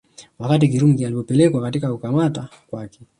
Wakati Kirumi alipopelekwa katika kukamata kwake